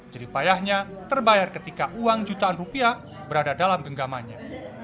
jadi payahnya terbayar ketika uang jutaan rupiah berada dalam genggamannya